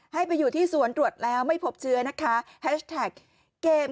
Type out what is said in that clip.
ให้ไปอยู่ที่สวนตรวจแล้วไม่พบเชื้อนะคะแฮชแท็กเกม